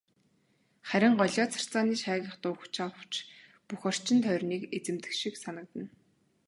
Харин голио царцааны шаагих дуу хүч авч бүх орчин тойрныг эзэмдэх шиг санагдана.